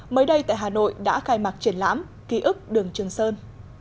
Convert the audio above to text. mới đây tại hà nội đã khai mạc triển lãm ký ức đường trường sơn